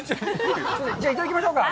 じゃあ、いただきましょうか。